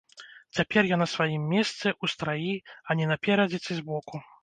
Цяпер я на сваім месцы, у страі, а не наперадзе ці збоку.